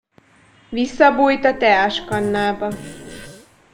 Visszabújt a teáskannába.